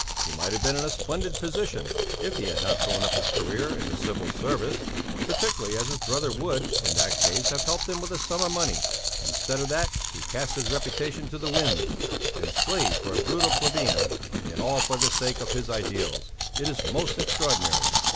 He might have been in a splendid position, if he had not thrown up his career in the Civil Service, particularly as his brother would, in that case have helped him with a sum of money. Instead of that he cast his reputation to the winds and slaved for a brutal plebeian; and all for the sake of his ideals! It is most extraordinary!